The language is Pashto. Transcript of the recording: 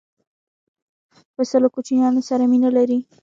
پسه له کوچنیانو سره مینه لري.